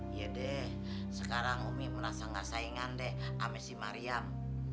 iya deh sekarang umi merasa gak saingan deh ama si mariam